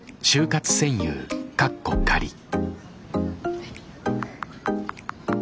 はい。